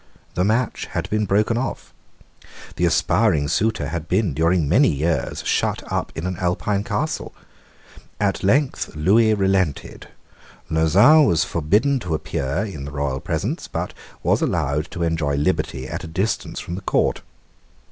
The match had been broken off. The aspiring suitor had been, during many years, shut up in an Alpine castle. At length Lewis relented. Lauzun was forbidden to appear in the royal presence, but was allowed to enjoy liberty at a distance from the court.